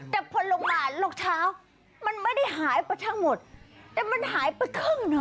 แต่พอลงมารองเท้ามันไม่ได้หายไปทั้งหมดแต่มันหายไปครึ่งเนอ